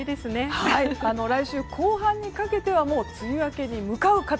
来週後半にかけては梅雨明けに向かう形。